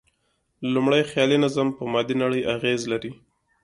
لومړی، خیالي نظم په مادي نړۍ اغېز لري.